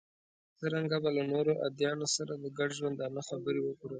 څرنګه به له نورو ادیانو سره د ګډ ژوندانه خبرې وکړو.